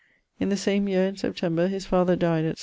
In the same yeare in September, his father dyed etc.